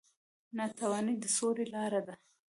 نانواتې د سولې لاره ده